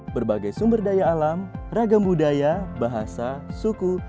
berbagai sumber daya alam ragam budaya bahasa suku